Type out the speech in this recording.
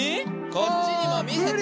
こっちにも見せて！